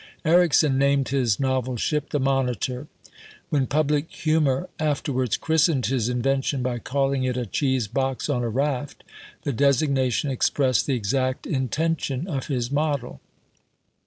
Ericsson named his novel ship the Monitor. When public humor after wards christened his invention by calling it a " cheese box on a raft," the designation expressed the exact intention of his model.